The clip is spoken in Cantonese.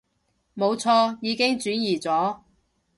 冇錯，已經轉移咗